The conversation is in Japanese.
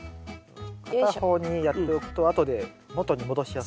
片方にやっておくとあとで元に戻しやすい。